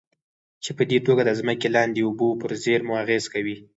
چې پدې توګه د ځمکې لاندې اوبو پر زېرمو اغېز کوي.